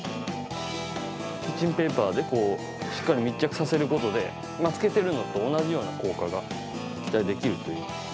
キッチンペーパーでしっかり密着させることで、つけてるのと同じような効果が期待できるという。